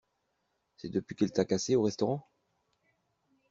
C'est depuis qu'elle t'a cassé au restaurant?